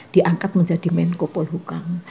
diangkat menjadi menkopol hukum